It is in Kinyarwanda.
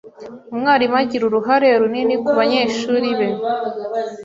Umwarimu agira uruhare runini kubanyeshuri be.